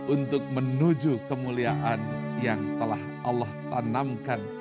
untuk menuju kemuliaan yang telah allah tanamkan